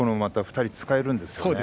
２人は使えるんですね。